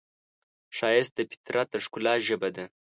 ښایست د فطرت د ښکلا ژبه ده